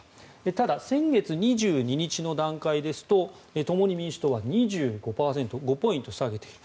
ただ、先月２２日の段階ですと共に民主党は２５％５ポイント下げている。